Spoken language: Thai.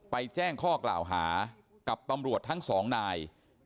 แจ้งข้อกล่าวหากับตำรวจทั้งสองนาย